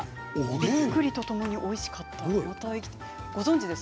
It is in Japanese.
びっくりとともにおいしかったです。